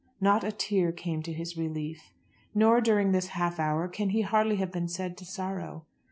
Not a tear came to his relief. Nor during this half hour can he hardly have been said to sorrow.